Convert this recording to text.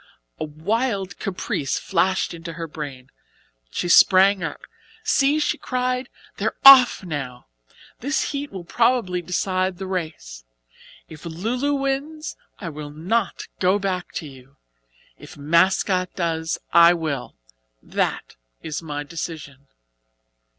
A wild caprice flashed into her brain. She sprang up. "See," she cried, "they're off now. This heat will probably decide the race. If 'Lu Lu' wins I will not go back to you, if 'Mascot' does I will. That is my decision."